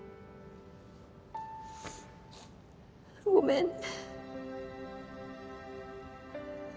ごめんね。